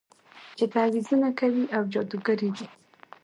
چې تعويذونه کوي او جادوګرې دي.